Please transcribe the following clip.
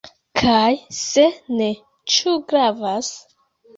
Kaj se ne, ĉu gravas?